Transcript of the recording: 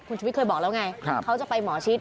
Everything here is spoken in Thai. คุณชุวิตเคยบอกแล้วไงเขาจะไปหมอชิด